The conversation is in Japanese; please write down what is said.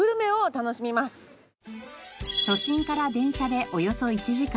都心から電車でおよそ１時間。